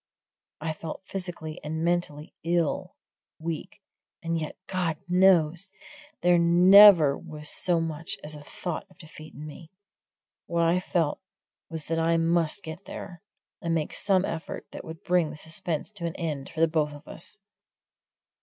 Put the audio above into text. I felt physically and mentally ill weak. And yet, God knows! there never was so much as a thought of defeat in me. What I felt was that I must get there, and make some effort that would bring the suspense to an end for both of us.